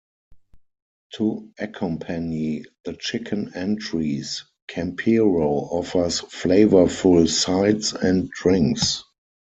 To accompany the chicken entrees, Campero offers flavorful sides and drinks.